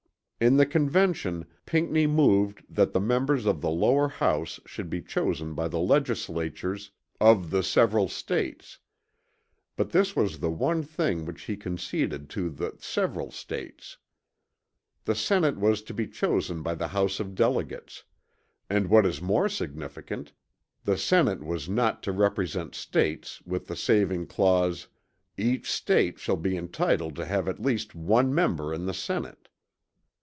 In the Convention Pinckney moved that the members of the lower House should be chosen by the legislatures "of the several States"; but this was the one thing which he conceded to "the several States." The Senate was to be chosen by the House of Delegates; and what is more significant, the Senate was not to represent States, with the saving clause, "Each State shall be entitled to have at least one member in the Senate."